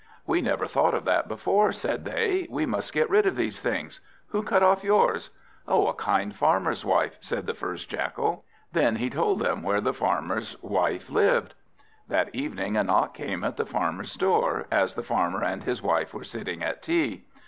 "We never thought of that before," said they; "we must get rid of these things. Who cut off yours?" "A kind Farmer's wife," said the first Jackal. Then he told them where the Farmer's wife lived. That evening, a knock came at the Farmer's door, as the Farmer and his wife were sitting at tea.